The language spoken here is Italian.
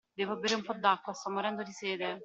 Devo bere un po' d'acqua, sto morendo di sete!